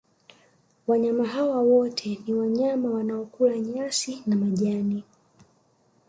wanyama hawa wote ni wanyama wanaokula nyasi na majani